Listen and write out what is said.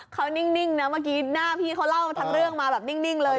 เขานิ่งนะเมื่อกี้หน้าพี่เขาเล่าทั้งเรื่องมาแบบนิ่งเลย